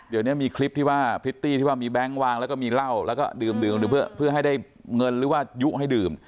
เดี๋ยวนี้มีคลิปที่ว่าพริตตี้ที่ว่ามีแบงค์วางแล้วก็มีเหล้าแล้วก็ดื่มเพื่อให้ได้เงินหรือว่ายุให้ดื่ม